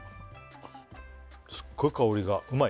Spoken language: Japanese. すっごい香りがうまい？